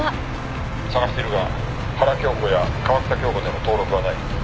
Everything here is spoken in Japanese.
「探してるが原京子や川喜多京子での登録はない」